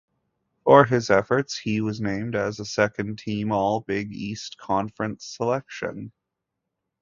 For his efforts, he was named as a second-team All-Big East Conference selection.